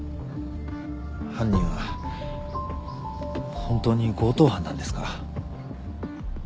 犯人は本当に強盗犯なんですか？